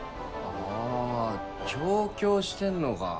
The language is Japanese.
ああ調教してんのか。